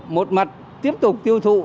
một mặt tiếp tục tiêu thụ